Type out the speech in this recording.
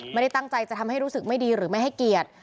ไม่ได้ตั้งใจจะทำให้รู้สึกไม่ดีหรือไม่ให้เกียรติ